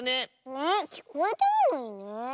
ねえきこえてるのにね。